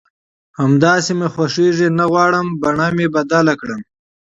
همداسې مې خوښېږي او نه غواړم صورت مې بدل کړم